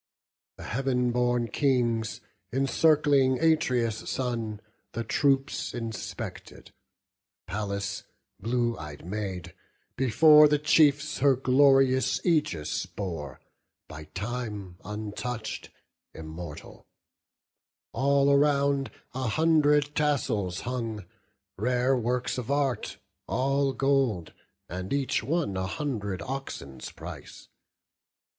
The Heav'n born Kings, encircling Atreus' son, The troops inspected: Pallas, blue ey'd Maid, Before the chiefs her glorious aegis bore, By time untouch'd, immortal: all around A hundred tassels hung, rare works of art, All gold, each one a hundred oxen's price.